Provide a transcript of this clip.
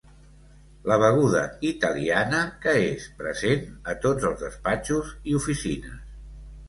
La beguda italiana que és present a tots els despatxos i oficines.